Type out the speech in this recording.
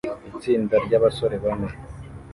Itsinda ryabasore bane